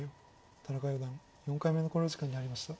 田中四段４回目の考慮時間に入りました。